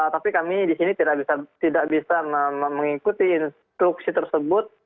tapi kami di sini tidak bisa mengikuti instruksi tersebut